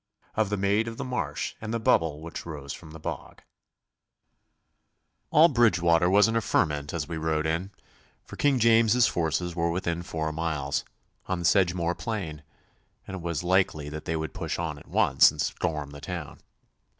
Of the Maid of the Marsh and the Bubble which rose from the Bog All Bridgewater was in a ferment as we rode in, for King James's forces were within four miles, on the Sedgemoor Plain, and it was likely that they would push on at once and storm the town.